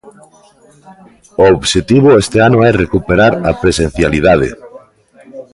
O obxectivo este ano é recuperar a presencialidade.